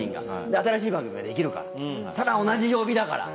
新しい番組ができるからただ同じ曜日だから。